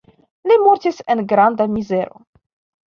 Li mortis en granda mizero.